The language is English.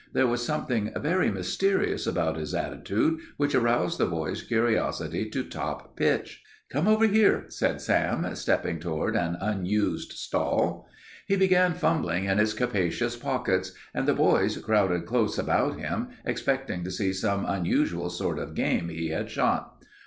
There was something very mysterious about his attitude which aroused the boys' curiosity to top pitch. "Come over here," said Sam, stepping toward an unused stall. He began fumbling in his capacious pockets, and the boys crowded close about him, expecting to see some unusual sort of game he had shot.